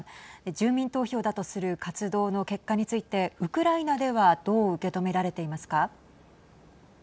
住民投票だとする活動の結果についてウクライナではどう受け止められていますか。